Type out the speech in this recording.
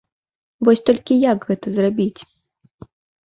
Вось толькі як гэта зрабіць?